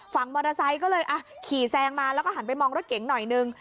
ฝั่งมอเตอร์ไซค์ก็เลยขี่แซงมาแล้วก็หันไปมองรถเก๋งหน่อยนึง